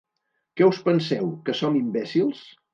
Què us penseu, que som imbècils?